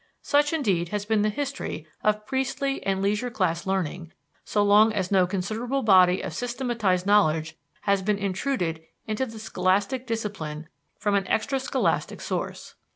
Such indeed has been the history of priestly and leisure class learning so long as no considerable body of systematized knowledge had been intruded into the scholastic discipline from an extra scholastic source.